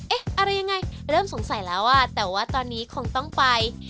อะไรยังไงเริ่มสงสัยแล้วอ่ะแต่ว่าตอนนี้คงต้องไป